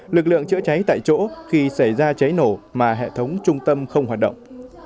lực lượng chữa cháy tại chỗ khi xảy ra cháy nổ mà hệ thống trung tâm không hoạt động